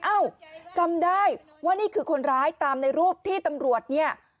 เอ้าจำได้ว่านี่คือคนร้ายตามในรูปที่ตำรวจเนี่ย